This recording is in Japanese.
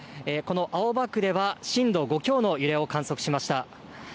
この青葉区では震度５強の揺れを観測しました。